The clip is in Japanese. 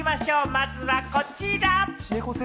まずはこちら。